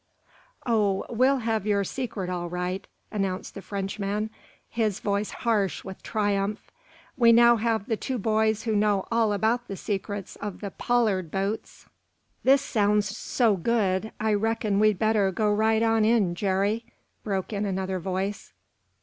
"Oh, we'll have your secret all right," announced the Frenchman, his voice harsh with triumph. "We now have the two boys who know all about the secrets of the Pollard boats!" "This sounds so good, I reckon we'd better go right on in, Jerry," broke in another voice.